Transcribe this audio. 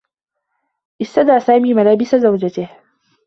استدى سامي ملابس زوجته.